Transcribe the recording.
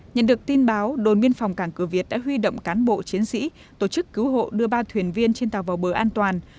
nhận được tin báo đồn biên phòng cảng cửa việt đã huy động cán bộ chiến sĩ tổ chức cứu hộ đưa ba thuyền viên trên tàu vào bờ an toàn